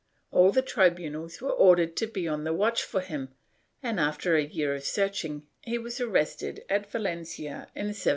All the tribunals were ordered to be on the watch for him and, after a year of searching, he was arrested at Valencia in 1751.